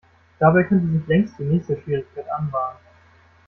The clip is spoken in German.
Dabei könnte sich längst die nächste Schwierigkeit anbahnen.